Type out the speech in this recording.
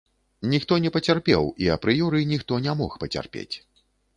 Ніхто не пацярпеў, і апрыёры ніхто не мог пацярпець.